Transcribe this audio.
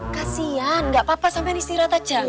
kasian enggak apa apa sampe istirahat aja